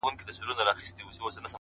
اخلاق د انسان خاموشه پېژندپاڼه ده,